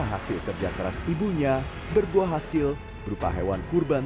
hasil kerja keras ibunya berbuah hasil berupa hewan kurban